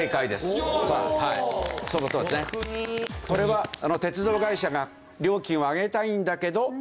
これは鉄道会社が料金を上げたいんだけど。